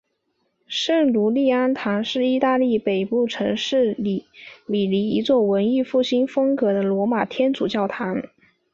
圣儒利安堂是意大利北部城市里米尼一座文艺复兴风格的罗马天主教教堂。